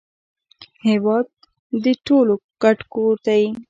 هیواد د ټولو ګډ کور دی